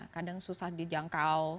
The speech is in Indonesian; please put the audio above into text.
kadang susah dijangkau